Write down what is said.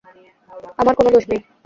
আমার কোনো দোষ নেই।